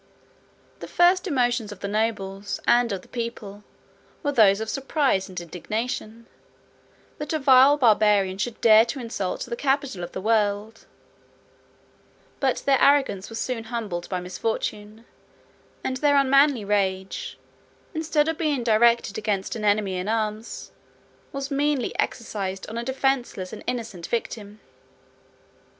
The first emotions of the nobles, and of the people, were those of surprise and indignation, that a vile Barbarian should dare to insult the capital of the world: but their arrogance was soon humbled by misfortune; and their unmanly rage, instead of being directed against an enemy in arms, was meanly exercised on a defenceless and innocent victim.